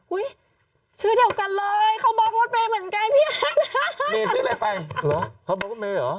ชื่อเดียวกันเลยเขาบล็อกรถเมย์เหมือนกันพี่อันมีชื่ออะไรไปเหรอเขาบอกรถเมย์เหรอ